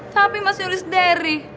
tapi masih nulis dery